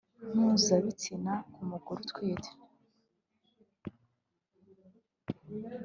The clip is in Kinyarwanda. mpuzabitsina ku mugore utwite